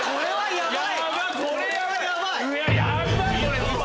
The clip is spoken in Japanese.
やばい！